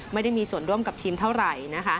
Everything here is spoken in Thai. ไม่ได้มีส่วนร่วมกับทีมเท่าไหร่นะคะ